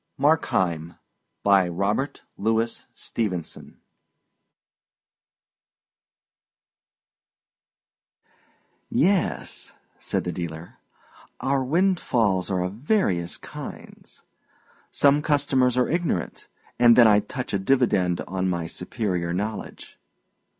MARKHEIM, by Robert Louis Stevenson "Yes," said the dealer, "our windfalls are of various kinds. Some customers are ignorant, and then I touch a dividend on my superior knowledge.